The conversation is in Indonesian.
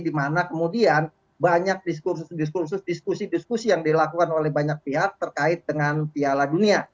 dimana kemudian banyak diskursus diskursus diskusi diskusi yang dilakukan oleh banyak pihak terkait dengan piala dunia